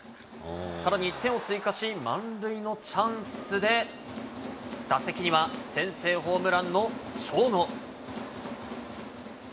さらに１点を追加し、満塁のチャンスで、打席には、先制ホームランの長野。